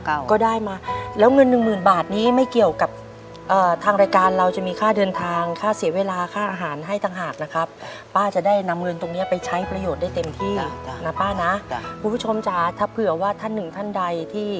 ทีวีก็ได้มาแล้วเงินหนึ่งหมื่นบาทนี้ไม่เกี่ยวกับทางรายการเราจะมีค่าเดินทางค่าเสียเวลาค่าอาหารให้ต่างหากนะครับป้าจะได้นำเงินตรงนี้ไปใช้ประโยชน์ได้เต็มที่